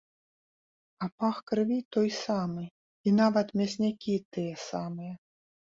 А пах крыві той самы і нават мяснікі тыя самыя.